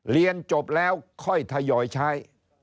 เรียนจบแล้วค่อยทยอยใช้